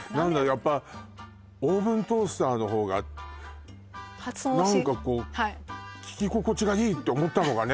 やっぱ「オーブントースター」の方が何かこうはい聞き心地がいいって思ったのかね